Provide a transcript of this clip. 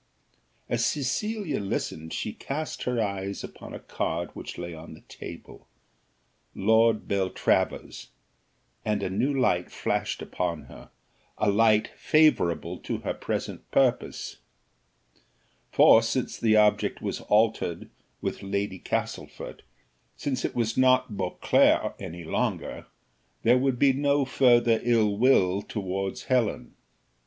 As Cecilia listened, she cast her eyes upon a card which lay on the table "Lord Beltravers," and a new light flashed upon her, a light favourable to her present purpose; for since the object was altered with Lady Castlefort, since it was not Beauclerc any longer, there would be no further ill will towards Helen.